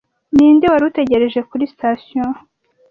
Ninde wari utegereje kuri sitasiyo